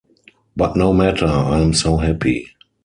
But no matter: I am so happy.